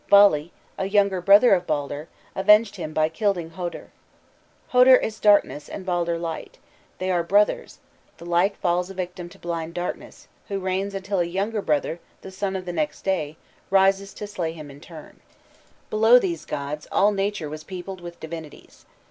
Vali, a younger brother of Baldur, avenged him by killing Hodur. Hodur is darkness and Baldur light; they are brothers; the light falls a victim to blind darkness, who reigns until a younger brother, the sun of the next day, rises to slay him in turn. Below these gods, all nature was peopled with divinities.